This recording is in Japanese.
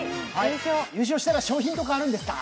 優勝したら賞品とかあるんですか？